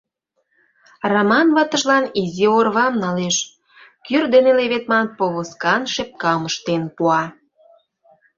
Раман ватыжлан изи орвам налеш, кӱр дене леведман повозкан шепкам ыштен пуа.